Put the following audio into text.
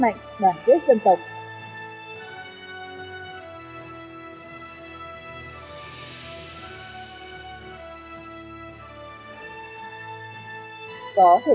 hãy đăng kí cho kênh lalaschool để không bỏ lỡ những video hấp dẫn